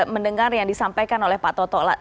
mendengar yang disampaikan oleh pak toto